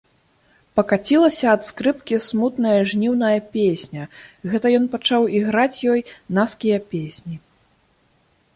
Пакацілася ад скрыпкі смутная жніўная песня, гэта ён пачаў іграць ёй наскія песні.